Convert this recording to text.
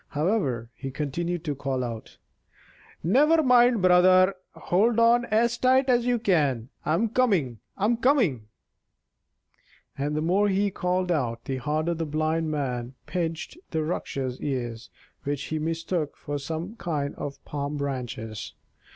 However, he continued to call out: "Never mind, brother; hold on as tight as you can. I'm coming, I'm coming," and the more he called out, the harder the Blind Man pinched the Rakshas's ears, which he mistook for some kind of palm branches.